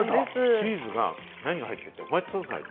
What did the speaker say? チーズは何が入ってるって？